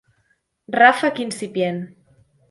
Ràfec incipient.